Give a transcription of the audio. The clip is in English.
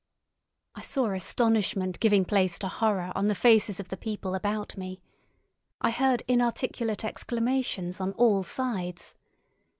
I saw astonishment giving place to horror on the faces of the people about me. I heard inarticulate exclamations on all sides.